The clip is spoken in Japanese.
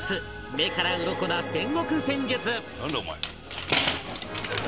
目からウロコな戦国戦術